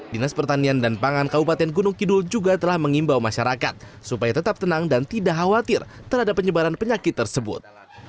dinas pertanian dan pangan kabupaten gunung kidul juga telah mengimbau masyarakat supaya tetap tenang dan tidak khawatir terhadap penyebaran penyakit tersebut